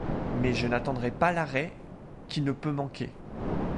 Mais je n’attendrai pas l’arrêt, qui ne peut manquer.